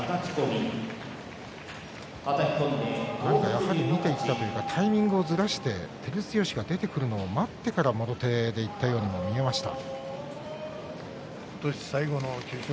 やはり見ていったというかタイミングをずらして照強が出てくるのを待ってからもろ手でいったように見えました。